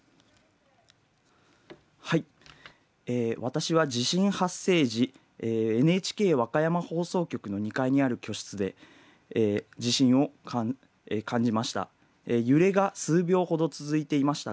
私は地震発生時、ＮＨＫ和歌山放送局の２階にある居室で地震を感じました。